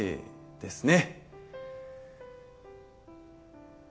ですね。